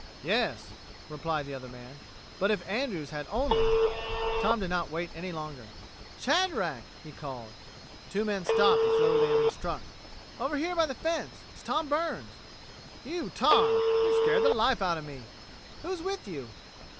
"Yes," replied the other man, "but if Andrews had only...." Tom did not wait any longer. "Shadrack!" he called. The two men stopped as though they had been struck. "Over here by the fence. It's Tom Burns." "You, Tom! You scared the life out of me." "Who's with you?"